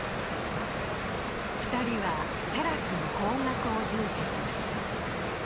２人はテラスの方角を重視しました。